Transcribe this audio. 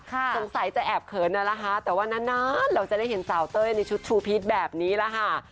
สงสัยจะแอบเขินนั่นแหละค่ะแต่ว่านานเราจะได้เห็นสาวเต้ยในชุดชูพีชแบบนี้แหละค่ะ